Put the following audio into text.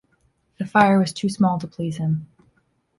The fire was too small to please him.